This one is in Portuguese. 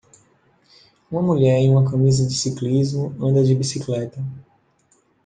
Uma mulher em uma camisa de ciclismo anda de bicicleta